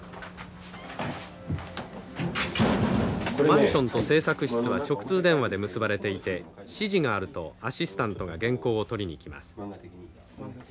マンションと製作室は直通電話で結ばれていて指示があるとアシスタントが原稿を取りに来ます。